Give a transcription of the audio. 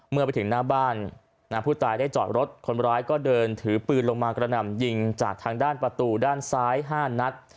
เมื่อไปถึงหน้าบ้านผู้ตายได้จอดรถคนร้ายก็เดินถือปืนลงมากระหน่ำยิงจากทางด้านประตูด้านซ้าย๕นัด